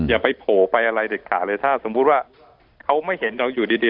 อย่าไปโผล่ไปอะไรเด็ดขาดเลยถ้าสมมุติว่าเขาไม่เห็นเราอยู่ดี